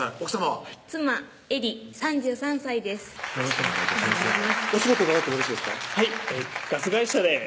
お仕事伺ってもよろしいですか？